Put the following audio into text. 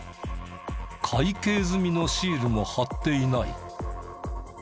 会計済みのシールも貼っていない。